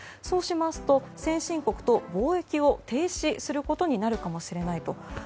そうしますと先進国と貿易を停止することになるかもしれないと。